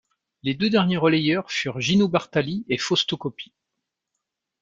Les deux derniers relayeurs furent Gino Bartali et Fausto Coppi.